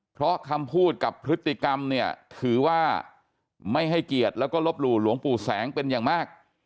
เพราะคำพูดกับพฤติกรรมเนี่ยถือว่าไม่ให้เกียรติแล้วก็ลบหลู่หลวงปู่แสงเป็นอย่างมาก